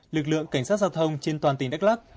lực lượng cảnh sát giao thông trên toàn tỉnh đắk lắc